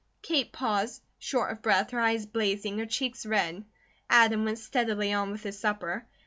Kate paused, short of breath, her eyes blazing, her cheeks red. Adam went steadily on with his supper.